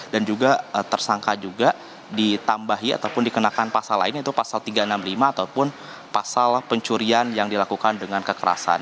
dan juga tersangka juga ditambahi ataupun dikenakan pasal lain yaitu pasal tiga ratus enam puluh lima ataupun pasal pencurian yang dilakukan dengan kekerasan